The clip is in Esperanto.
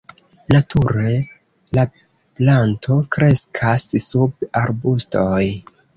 Nature la planto kreskas sub arbustoj.